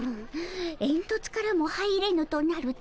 えんとつからも入れぬとなると。